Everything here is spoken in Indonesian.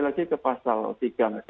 lagi ke pasal tiga